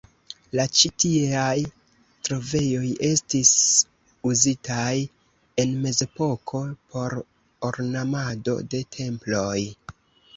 La ĉi tieaj trovejoj estis uzitaj en mezepoko por ornamado de temploj.